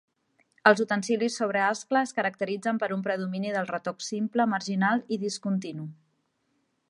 Els utensilis sobre ascla es caracteritzen per un predomini del retoc simple, marginal i discontinu.